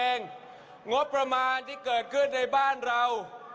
งบประมาณที่เกิดขึ้นในบ้านเรา